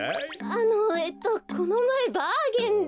あのえっとこのまえバーゲンで。